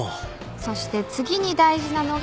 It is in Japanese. そして次に大事なのが。